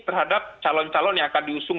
terhadap calon calon yang akan diusung